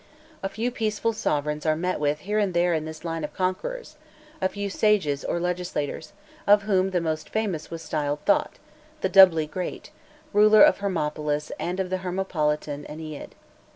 A few peaceful sovereigns are met with here and there in this line of conquerors a few sages or legislators, of whom the most famous was styled Thot, the doubly great, ruler of Hermopolis and of the Hermopolitan Ennead.